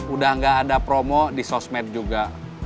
udah gak ada promo di sosmed juga